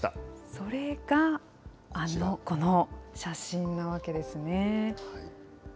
それがこの写真なわけですね。